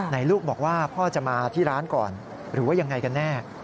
ลูกบอกว่าพ่อจะมาที่ร้านก่อนหรือว่ายังไงกันแน่